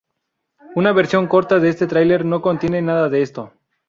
Una versión corta de este tráiler no contiene nada de esto.